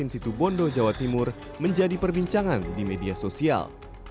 situ bondo jawa timur menjadi perbincangan di media sosial